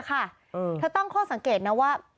เมื่อกั้นความสังเกตทานว่า